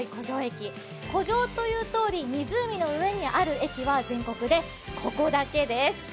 湖上というとおり、湖の上にある駅は全国でここだけです。